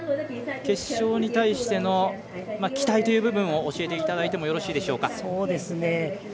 決勝に対しての期待という部分を教えていただいてもよろしいでしょうか？